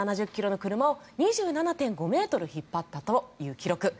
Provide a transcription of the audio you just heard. １０７０ｋｇの車を２７．５ｍ引っ張ったという記録。